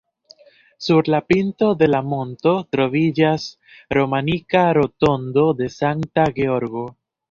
Sur la pinto de la monto troviĝas romanika rotondo de Sankta Georgo.